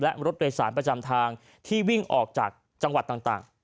และรถโดยสารประจำทางที่วิ่งออกจากจังหวัดต่าง